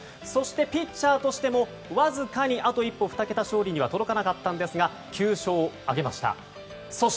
そしてピッチャーとしてもわずかにあと一歩２桁勝利には届かなかったんですが９勝を挙げました。